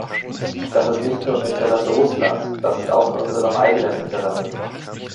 Das ist nicht nur im Interesse Russlands, das ist auch in unserem eigenen Interesse.